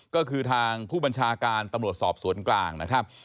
ก็คือทางผู้บัญชาการตำรวจสอบสวนกลางนะครับ